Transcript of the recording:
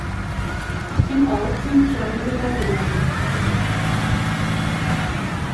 Im Ort sind kleine Gewerbebetriebe ansässig.